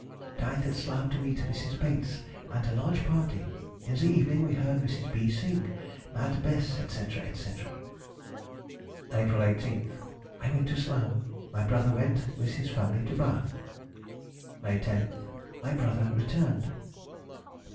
_—Dined at Slough to meet Mrs. Bates and a large party. In the evening we heard Mrs. B. sing Mad Bess, &c., &c. April 18th.—I went to Slough. My brother went, with his family, to Bath. May 10th.—My brother returned.